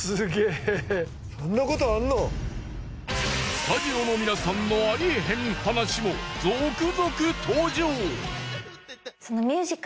スタジオの皆さんのありえへん話も続々登場！